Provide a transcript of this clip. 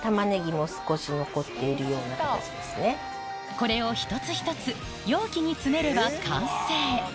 これを一つ一つ容器に詰めれば完成